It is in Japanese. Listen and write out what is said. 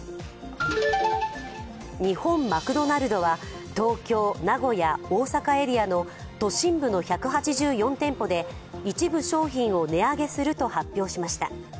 日本マクドナルドは、東京、名古屋、大阪エリアの都心部の１８４店舗で一部商品を値上げすると発表しました。